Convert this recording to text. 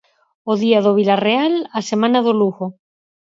O día do Vilarreal, a semana do Lugo.